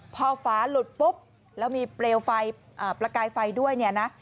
พอฝาหลุดปุ๊บแล้วมีเปลวไฟประกายไฟด้วยเนี่ยนะ